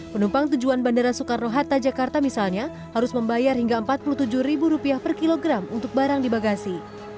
penumpang tujuan bandara soekarno hatta jakarta misalnya harus membayar hingga rp empat puluh tujuh per kilogram untuk barang di bagasi